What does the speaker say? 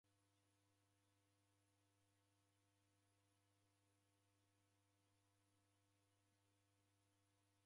Hata saa inonekie ngelo imu yaweghora wuloli.